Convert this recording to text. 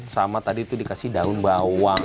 sama tadi itu dikasih daun bawang